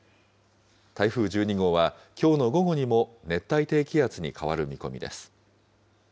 台風１２号は、きょうの午後にも熱帯低気圧に変わる見込みです。